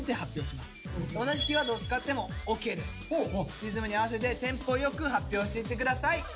リズムに合わせてテンポ良く発表していって下さい。